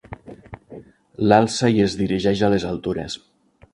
L'alça i es dirigeix a les altures.